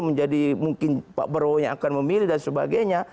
menjadi mungkin pak prabowo yang akan memilih dan sebagainya